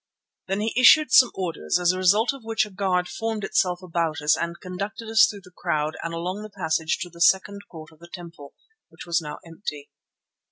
Then he issued some orders, as a result of which a guard formed itself about us and conducted us through the crowd and along the passage to the second court of the temple, which was now empty.